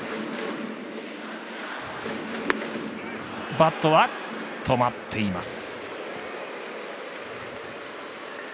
バットは止まっています。